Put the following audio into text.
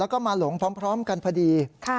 แล้วก็มาหลงพร้อมกันพอดี